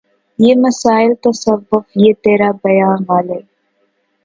یہ مسائل تصوف یہ ترا بیان غالبؔ